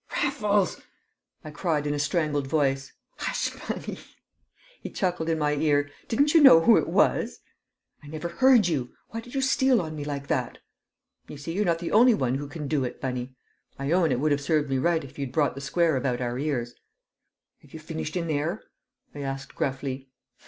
"Raffles!" I cried in a strangled voice. "Hush, Bunny!" he chuckled in my ear. "Didn't you know who it was?" "I never heard you; why did you steal on me like that?" "You see you're not the only one who can do it, Bunny! I own it would have served me right if you'd brought the square about our ears." "Have you finished in there?" I asked gruffly.